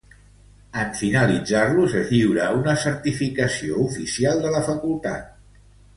En finalitzar-los, es lliura una certificació oficial de la facultat.